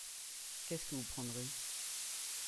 Qu'est-ce que vous prendrez ?